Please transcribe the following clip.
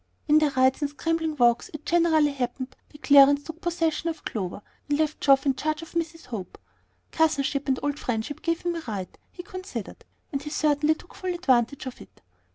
In their rides and scrambling walks it generally happened that Clarence took possession of Clover, and left Geoff in charge of Mrs. Hope. Cousinship and old friendship gave him a right, he considered, and he certainly took full advantage of it.